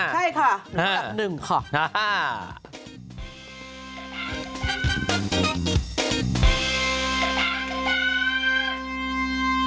ใช่ค่ะหนึ่งข้อ